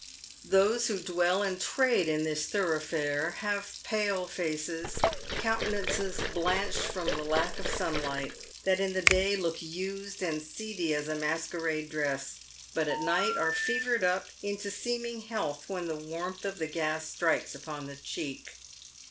Those who dwell and trade in this thoroughfare have pale faces, countenances blanched from the lack of sunlight, that iu the day look used and " seedy" as a 'masquerade dress, but at night are fevered up into seeming health when the warmth of the gas strikes upon the cheek.